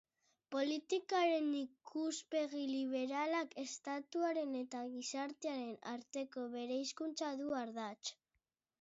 Politikaren ikuspegi liberalak Estatuaren eta gizartearen arteko bereizkuntza du ardatz.